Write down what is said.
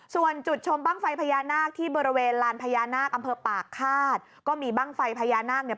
ส่วนจุดชมบ้างไฟพญานาคที่บริเวณลานพญานาคอำเภอปากฆาตก็มีบ้างไฟพญานาคเนี่ย